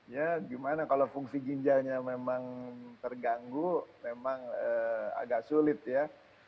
ya gimana kalau fungsi ginjalnya memang terganggu memang agak sulit ya